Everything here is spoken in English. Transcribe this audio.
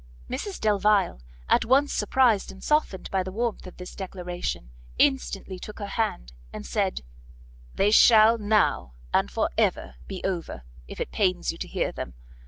Mrs Delvile, at once surprised and softened by the warmth of this declaration, instantly took her hand, and said "They shall now, and for ever be over, if it pains you to hear them.